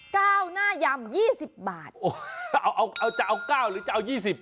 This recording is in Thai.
ก้าวหน้ายำยี่สิบบาทเอาจะเอาก้าวหรือจะเอายี่สิบ